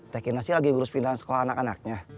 teh kirasi lagi ngurus pindahan sekolah anak anaknya